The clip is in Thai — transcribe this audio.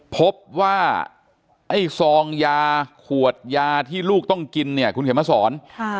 พบว่าไอ้ซองยาขวดยาที่ลูกต้องกินเนี่ยคุณเขียนมาสอน